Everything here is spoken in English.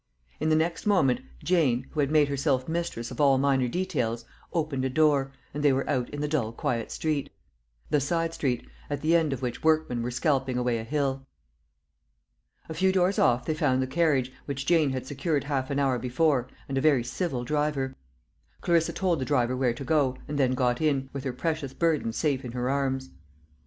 In the next moment Jane who had made herself mistress of all minor details opened a door, and they were out in the dull quiet street the side street, at the end of which workmen were scalping away a hill. A few doors off they found the carriage, which Jane had secured half an hour before, and a very civil driver. Clarissa told the driver where to go, and then got in, with her precious burden safe in her arms.